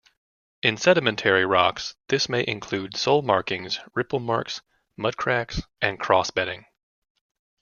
In sedimentary rocks this may include sole markings, ripple marks, mudcracks and cross-bedding.